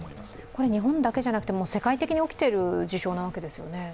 これは日本だけではなくて世界的に起きている事象なわけですよね。